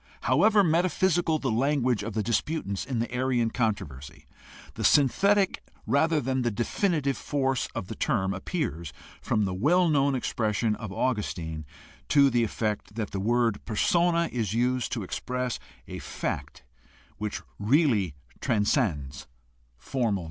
However metaphysical the language of the disputants in the Arian controversy, the synthetic rather than the definitive force of the term appears from the well known expression of Augustine to the effect that the word persona is used to express a fact which really transcends formal definition.